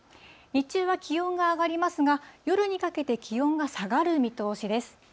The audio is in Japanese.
日中は気温が上がりますが、夜にかけて気温が下がる見通しです。